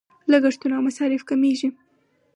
لګښتونه او مصارف کمیږي.